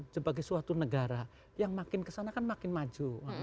sebagai suatu negara yang makin kesana kan makin maju